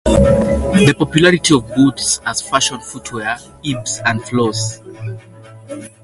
The popularity of boots as fashion footwear ebbs and flows.